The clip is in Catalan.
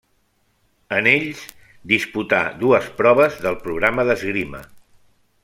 En ells disputà dues proves del programa d'esgrima.